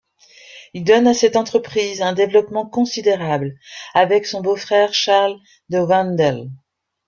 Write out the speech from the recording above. Il donne à cette entreprise un développement considérable, avec son beau-frère Charles de Wendel.